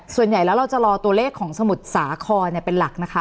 ส่วนใหญ่แล้วเราจะรอตัวเลขของสมุทรสาครเป็นหลักนะคะ